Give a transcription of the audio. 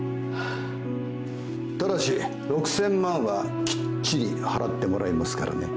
ただし６，０００万はきっちり払ってもらいますからね。